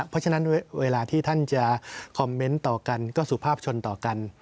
เพราะฉะนั้นเวลาที่ท่านจะคอมเมนต์ต่อกันก็สุภาพชนต่อกัน